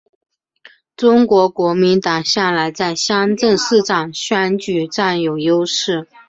中国国民党向来在乡镇市长选举占有优势。